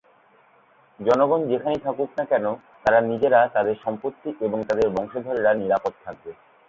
জনগণ যেখানেই থাকুক না কেন তারা নিজেরা, তাদের সম্পত্তি এবং তাদের বংশধরেরা নিরাপদ থাকবে।